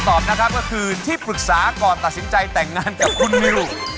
ตอบนะครับก็คือที่ปรึกษาก่อนตัดสินใจแต่งงานกับคุณนิว